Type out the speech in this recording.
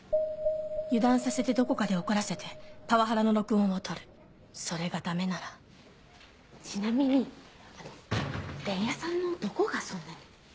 油断させてどこかで怒らせてパワハラの録音をとるそれがダメならちなみにあの伝弥さんのどこがそんなに？